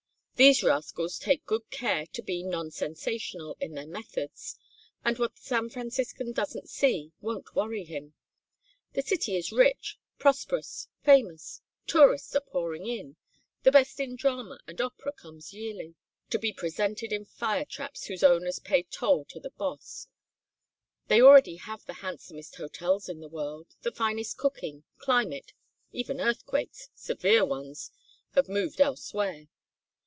These rascals take good care to be non sensational in their methods, and what the San Franciscan doesn't see doesn't worry him. The city is rich, prosperous, famous, tourists are pouring in, the best in drama and opera comes yearly to be presented in fire traps whose owners pay toll to the Boss; they already have the handsomest hotels in the world, the finest cooking, climate; even earthquakes severe ones have moved elsewhere.